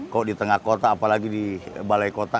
kok di tengah kota apalagi di balai kota